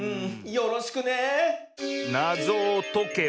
よろしくね。